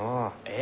え？